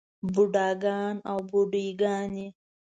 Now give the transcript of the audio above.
بوډاګان او بوډے ګانے